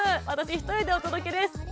私一人でお届けです。